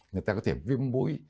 người ta có thể viêm mũi